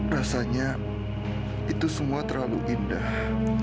rasanya itu semua terlalu indah